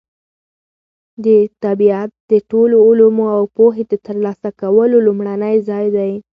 طبیعت د ټولو علومو او پوهې د ترلاسه کولو لومړنی ځای دی.